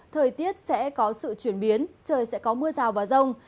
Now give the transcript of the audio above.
thời tiết sẽ có sự chuyển biến trời sẽ có mưa rào và rông